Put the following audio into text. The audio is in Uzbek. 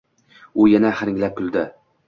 U yana hiringlab kuldi.